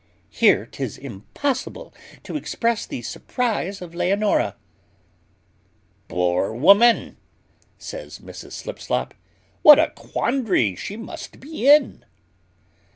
Here 'tis impossible to express the surprize of Leonora. "Poor woman!" says Mrs Slipslop, "what a terrible quandary she must be in!"